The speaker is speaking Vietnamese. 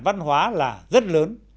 văn hóa là rất lớn